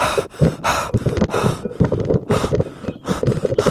গতকাল বুধবার খুলনা প্রেসক্লাবে সংবাদ সম্মেলন করে এসব অভিযোগ করেন সুজনের পরিবারের সদস্যরা।